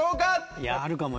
いやあるかもよ。